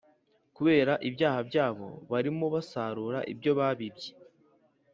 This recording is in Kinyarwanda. Kubera ibyaha byabo barimo basarura ibyo babibye.